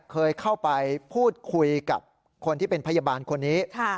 เคยเข้าไปพูดคุยกับคนที่เป็นพยาบาลคนนี้